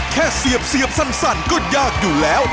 เสียบสั่นก็ยากอยู่แล้ว